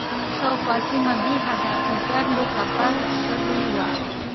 شاوخوا سیمه بېحده کنډ و کپر شوې وه.